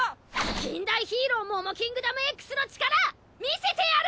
禁断ヒーローモモキングダムＸの力見せてやる！